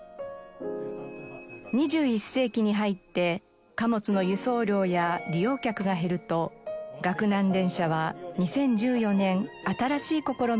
２１世紀に入って貨物の輸送量や利用客が減ると岳南電車は２０１４年新しい試みを始めました。